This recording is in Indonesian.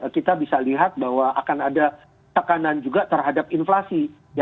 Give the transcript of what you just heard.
kita bisa lihat bahwa akan ada tekanan juga terhadap inflasi